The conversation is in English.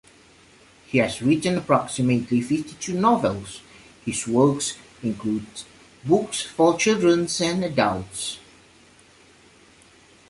He has written approximately fifty-two novels; his works include books for children and adults.